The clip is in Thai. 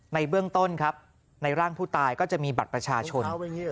ในเบื้องต้นครับในร่างผู้ตายก็จะมีบัตรประชาชน